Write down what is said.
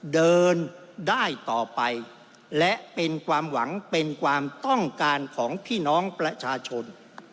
เดินได้ต่อไปและเป็นความหวังเป็นความต้องการของพี่น้องประชาชน